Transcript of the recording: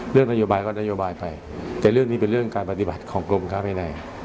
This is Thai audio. เรื่องนโยบายก็นโยบายไปแต่เรื่องนี้เป็นเรื่องการปฏิบัติของกรมค้าภายใน